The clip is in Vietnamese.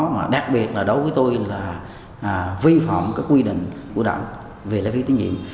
mà đặc biệt là đối với tôi là vi phạm các quy định của đảng về lấy phiếu tín nhiệm